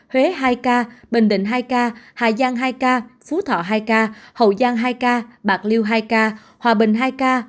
huế hai ca bình định hai ca hà giang hai ca phú thọ hai ca hậu giang hai ca bạc liêu hai ca hòa bình hai ca